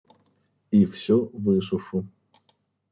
И все высушу.